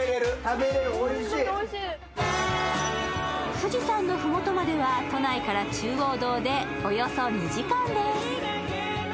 富士山の麓までは都内から中央道でおよそ２時間です。